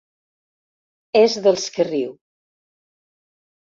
És dels que riu.